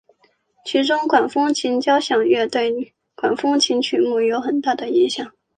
其中管风琴交响乐对管风琴曲目有很大的影响力。